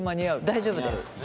大丈夫ですです。